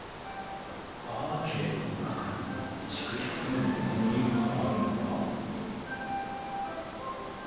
アーケードの中に築１００年の古民家があるのか？